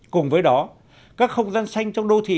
cùng với đó các không gian xanh trong đô thị